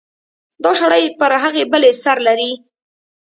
دا شړۍ پر هغې بلې سر لري.